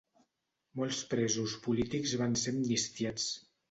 Molts presos polítics van ser amnistiats.